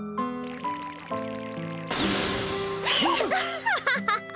アハハハ！